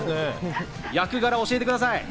役柄を教えてください。